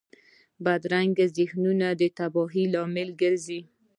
بدرنګه ذهنونه د تباهۍ لامل ګرځي